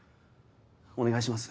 お願いします。